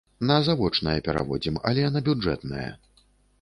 На завочнае пераводзім, але на бюджэтнае.